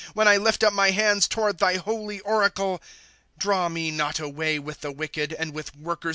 When I lift up my hands toward thy holy oracle. ^ Draw me not away with the wicked, And with workers o!'